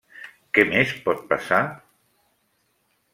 Què més pot passar?